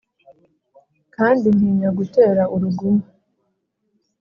Kandi ntinya gutera uruguma?